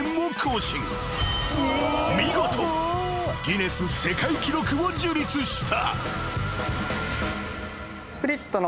［見事ギネス世界記録を樹立した］